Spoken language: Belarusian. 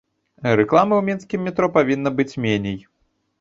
Рэкламы ў мінскім метро павінна быць меней.